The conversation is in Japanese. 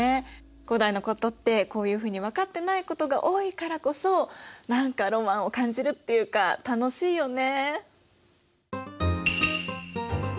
古代のことってこういうふうに分かってないことが多いからこそ何かロマンを感じるっていうか楽しいよね。